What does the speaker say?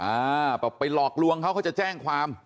อ่าแบบไปหลอกลวงเขาเขาจะแจ้งความ